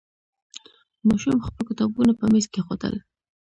ماشوم خپل کتابونه په میز کېښودل.